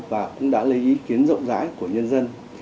và cũng đã lấy ý kiến rộng rãi của nhân dân